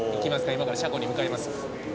今から車庫に向かいます。